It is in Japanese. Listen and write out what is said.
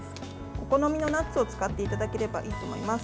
お好みのナッツを使っていただければいいと思います。